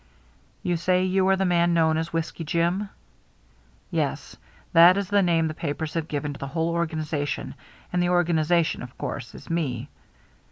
"You say you are the man known as Whiskey Jim?" "Yes. That is the name the papers have given to the whole organization, and the organization, of course, is me."